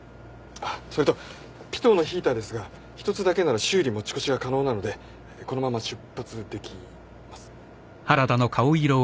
あっそれとピトーのヒーターですが１つだけなら修理持ち越しが可能なのでこのまま出発できます。